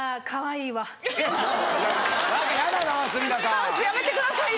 スタンスやめてくださいよ。